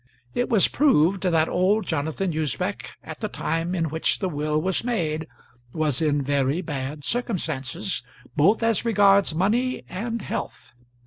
It was proved that old Jonathan Usbech at the time in which the will was made was in very bad circumstances, both as regards money and health.